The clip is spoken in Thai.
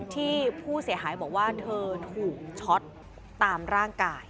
ที่ผู้เสียหายบอกว่าเธอถูกช็อตตามร่างกาย